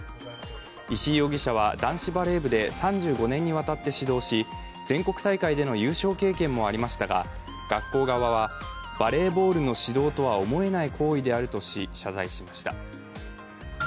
石井容疑者は男子バレー部で３５年にわたって指導し、全国大会での優勝経験もありましたが、学校側はバレーボールの指導とは思えない行為であるとし、謝罪しました。